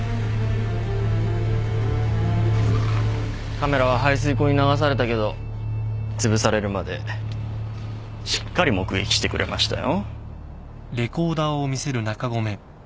カメラは排水口に流されたけどつぶされるまでしっかり目撃してくれましたよ。